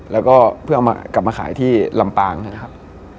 แล้วก็เพื่อเอามากลับมาขายที่ลำปางนะครับ